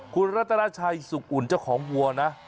คุณรัตนาชัยสุขอุ่นเจ้าของวัวนะ